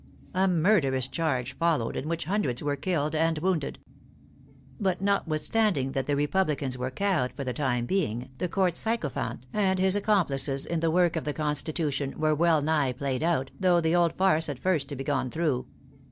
A murderous charge followed, in which hundreds were killed and wounded. But not withstanding that the Republicans were cowed for the time being, the Court sycophant, and his accomplices in the work of the Constitution were well nigh played out, though the old farce had first to be gone through.